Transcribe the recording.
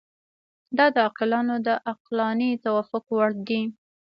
دا د عاقلانو د عقلاني توافق وړ دي.